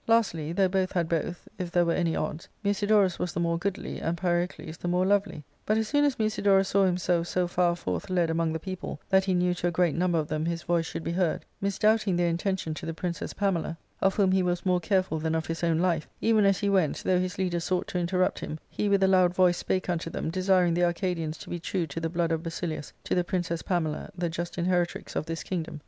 Lastly, though both had both,t if there were any odds, Musidorus was the more goodly, and Pyrocles the more lovely. But, as soon as Musidorus saw himself so far forth led among the people that he knew to a great number of them his voice should be heard, misdoubting their intention to the Princess Pamela, of whom he was more * Murrey — Av dark reddish brown. + Both had both—ue,^ goodliness and loveliness* 458 ARCADIA.Sook V. careful than of his own life, even as he went, though his leader sought to interrupt him, he with a loud voice spake unto them, desiring the Arcadians to be true to the blood of Basilius, to the Princess Pamela, the just inheritrix of this kingdom.